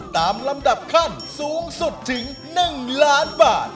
ตามลำดับขั้นสูงสุดถึง๑ล้านบาท